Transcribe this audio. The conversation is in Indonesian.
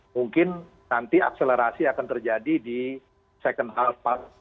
mungkin nanti akselerasi akan terjadi di second half dua ribu dua puluh satu